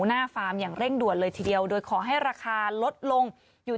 ฟาร์มอย่างเร่งด่วนเลยทีเดียวโดยขอให้ราคาลดลงอยู่